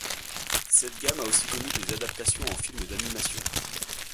Cette gamme à aussi connue des adaptations en films d'animation.